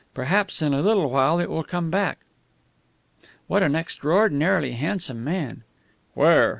Perhaps in a little while it will come back.... What an extraordinarily handsome man!" "Where?"